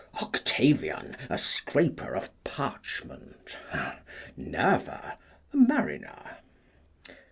Octavian, a scraper of parchment. Nerva, a mariner.